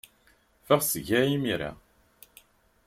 Ffeɣ seg-a imir-a.